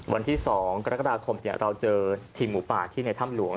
วันที่๒กรกฎาคมเราเจอทีมหมูป่าที่ในถ้ำหลวง